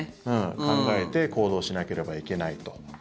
考えて行動しなければいけないと。